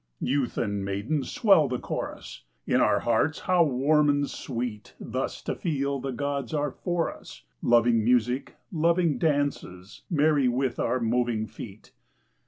Youth and maiden, swell the chorus 1 In our hearts how warm and sweet Thus to feel the gods are for us. Loving music, loving dances. Merry with our moving feet